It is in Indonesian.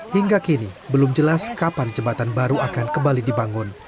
hingga kini belum jelas kapan jembatan baru akan kembali dibangun